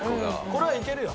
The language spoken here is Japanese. これはいけるよ。